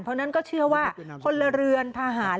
เพราะฉะนั้นก็เชื่อว่าพลเรือนทหาร